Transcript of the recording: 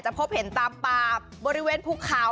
พบเห็นตามป่าบริเวณภูเขา